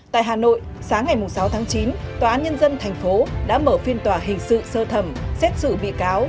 tại hà nội sáng ngày sáu tháng chín tòa án nhân dân thành phố đã mở phiên tòa hình sự sơ thẩm xét xử bị cáo